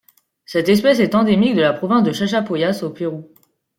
Cette espèce est endémique de la province de Chachapoyas au Pérou.